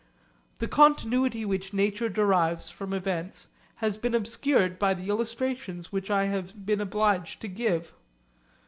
The continuity which nature derives from events has been obscured by the illustrations which I have been obliged to give.